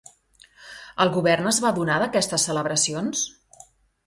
El govern es va adonar d'aquestes celebracions?